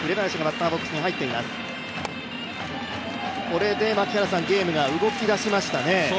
これでゲームが動き出しましたね。